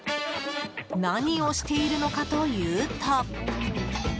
何をしているのかというと。